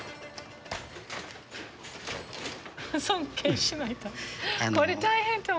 尊敬しないと。